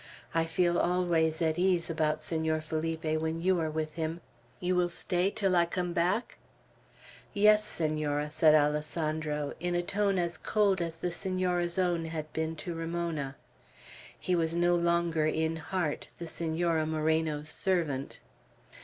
I feel always at ease about Senor Felipe when you are with him. You will stay till I come back?" "Yes, Senora," said Alessandro, in a tone cold as the Senora's own had been to Ramona. He was no longer in heart the Senora Moreno's servant.